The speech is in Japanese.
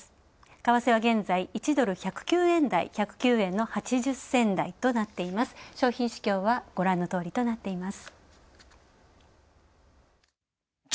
為替は現在１ドル＝１０９円台１０９円の８０銭台となっています。